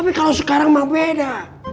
tapi kalau sekarang mah beda